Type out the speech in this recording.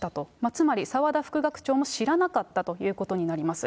つまり澤田副学長も知らなかったということになります。